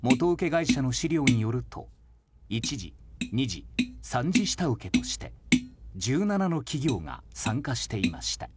元請け会社の資料によると１次、２次、３次下請けとして１７の企業が参加していました。